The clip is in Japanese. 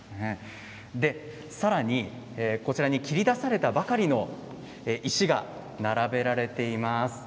さらにこちらに切り出されたばかりの石が並べられています。